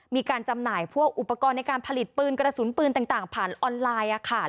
จำหน่ายพวกอุปกรณ์ในการผลิตปืนกระสุนปืนต่างผ่านออนไลน์